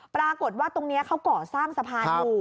ปรากฏว่าตรงนี้เขาก่อสร้างสะพานอยู่